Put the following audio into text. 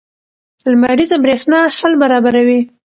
لمریزه برېښنا حل برابروي.